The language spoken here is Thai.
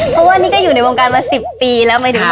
เพราะว่านี่ก็อยู่ในโรงการมา๑๐ปีแล้ว